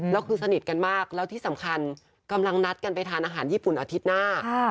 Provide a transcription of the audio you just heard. แล้วคือสนิทกันมากแล้วที่สำคัญกำลังนัดกันไปทานอาหารญี่ปุ่นอาทิตย์หน้า